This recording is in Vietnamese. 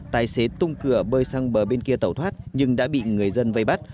tài xế tung cửa bơi sang bờ bên kia tẩu thoát nhưng đã bị người dân vây bắt